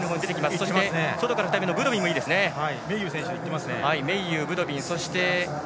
そして、外からブドビンもいいですね。